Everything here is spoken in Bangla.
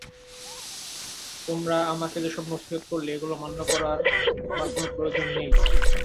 তোমরা আমাকে যেসব নসীহত করলে এগুলো মান্য করার আমার কোন প্রয়োজন নেই।